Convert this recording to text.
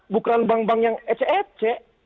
bukan bank bank yang ece ece